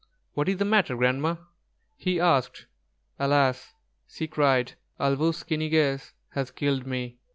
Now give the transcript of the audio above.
"What is the matter, Grandma?" he asked. "Alas!" she cried, "Āl wūs ki ni gess has killed me!"